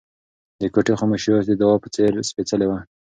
د کوټې خاموشي اوس د دعا په څېر سپېڅلې وه.